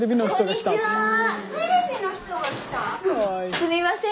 すみません。